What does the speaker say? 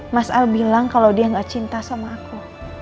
mas al bilang kalau dia gak cinta sama aku